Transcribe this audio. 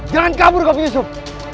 jangan kabur kapten yusuf